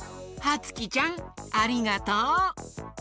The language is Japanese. はつきちゃんありがとう！